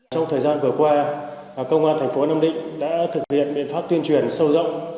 trong thời gian vừa qua công an tp nam định đã thực hiện biện pháp tuyên truyền sâu rộng